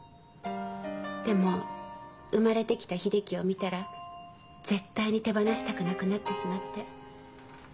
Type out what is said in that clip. でも生まれてきた秀樹を見たら絶対に手放したくなくなってしまって。